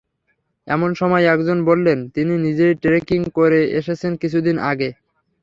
এমন সময় একজন বললেন, তিনি নিজেই ট্রেকিং করে এসেছেন কিছুদিন আগে।